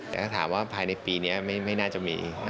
แต่ถ้าถามว่าภายในปีนี้ไม่น่าจะมี